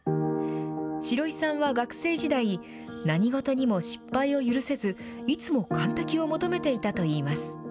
シロイさんは学生時代何事にも失敗を許せずいつも完璧を求めていたと言います。